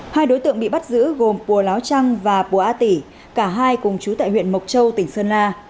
hai đối tượng bị bắt giữ gồm pua láo trăng và pua á tỉ cả hai cùng chú tại huyện mộc châu tỉnh sơn la